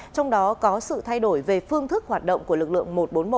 trong đó có sự thay đổi về phương thức hoạt động của lực lượng một trăm bốn mươi một